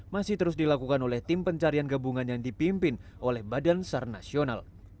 masih terus dilakukan oleh tim pencarian gabungan yang dipimpin oleh badan sar nasional